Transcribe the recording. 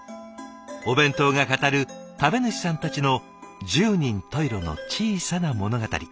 お弁当が語る食べ主さんたちの十人十色の小さな物語。